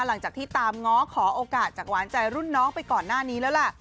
หลังจากที่ตามง้อขอโอกาสจากหวานใจรุ่นน้องไปก่อนหน้านี้แล้วล่ะ